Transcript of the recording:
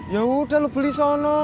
ya udah lu beli sono